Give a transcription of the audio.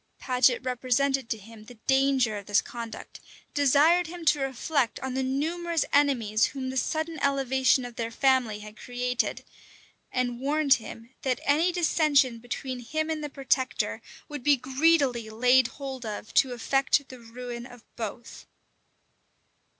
Paget represented to him the danger of this conduct; desired him to reflect on the numerous enemies whom the sudden elevation of their family had created; and warned him, that any dissension between him and the protector would be greedily laid hold of to effect the ruin of both.